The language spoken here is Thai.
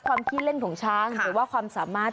ขี้เล่นของช้างหรือว่าความสามารถ